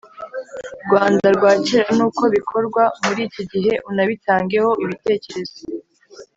rwanda rwa kera n’uko bikorwa muri iki gihe, unabitangeho ibitekerezo.